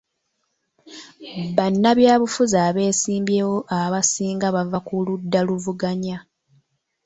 Bannabyabufuzi abeesimbyewo abasinga bava ku ludda luvuganya.